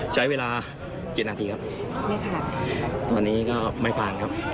ใช้เวลา๗นาทีครับไม่ผ่านตอนนี้ก็ไม่ผ่านครับ